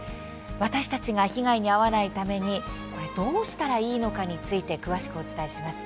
私たちが被害に遭わないためにどうしたらいいのかについて詳しくお伝えします。